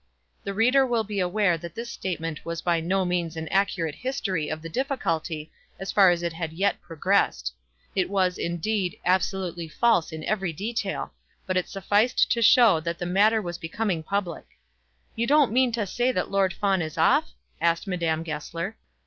The reader will be aware that this statement was by no means an accurate history of the difficulty as far as it had as yet progressed. It was, indeed, absolutely false in every detail; but it sufficed to show that the matter was becoming public. "You don't mean to say that Lord Fawn is off?" asked Madame Goesler.